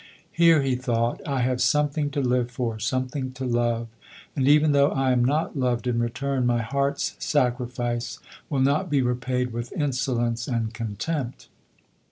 "• Here," he thought, " I have something to live for, something to love. And even though I am not loved in return, my heart's sacrifice will not be repaid with insolence and contempt."